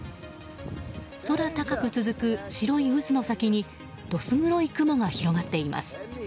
空高く続く白い渦の先にどす黒い雲が広がっています。